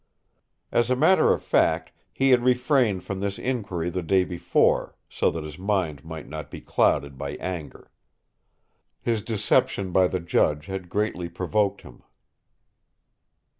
As a matter of fact, he had refrained from this inquiry the day before, so that his mind might not be clouded by anger. His deception by the judge had greatly provoked him.